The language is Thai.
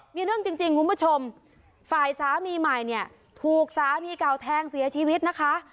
มีเรื่องจริงคุณผู้ชมฝ่ายสามีใหม่เนี่ยถูกสามีเก่าแทงเสียชีวิตนะคะ